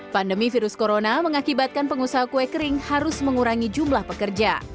pandemi virus corona mengakibatkan pengusaha kue kering harus mengurangi jumlah pekerja